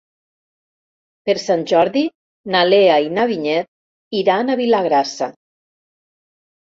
Per Sant Jordi na Lea i na Vinyet iran a Vilagrassa.